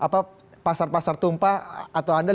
apa pasar pasar tumpah atau anda